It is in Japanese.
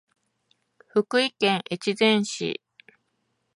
福井県越前市